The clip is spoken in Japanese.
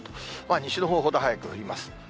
西の方ほど早く降ります。